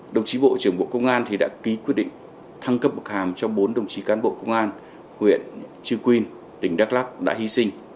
đồng chí bộ trưởng bộ công an đã ký quyết định thăng cấp bậc hàm cho bốn đồng chí cán bộ công an huyện chư quynh tỉnh đắk lắc đã hy sinh